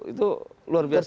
itu luar biasa